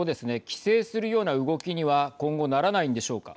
規制するような動きには今後、ならないんでしょうか。